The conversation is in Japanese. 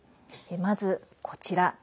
まず、こちら。